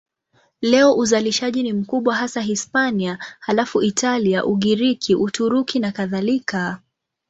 Leo uzalishaji ni mkubwa hasa Hispania, halafu Italia, Ugiriki, Uturuki nakadhalika.